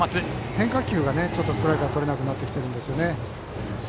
変化球でストライクがとれなくなってきています。